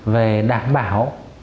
về đảm bảo